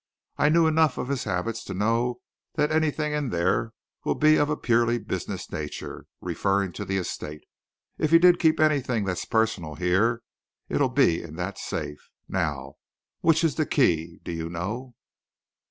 "I knew enough of his habits to know that anything that's in there will be of a purely business nature referring to the estate. If he did keep anything that's personal here, it'll be in that safe. Now, which is the key? Do you know?"